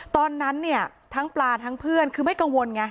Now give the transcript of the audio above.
ตอนนั้นเนี่ยทั้งปลาทั้งเพื่อนคือไม่กังวลไง